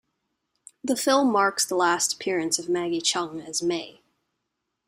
The film marks the last appearance of Maggie Cheung as May.